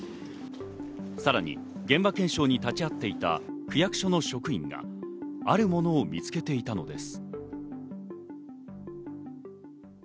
さらに現場検証に立ち会っていた区役所の職員があるものを見つけていたのです。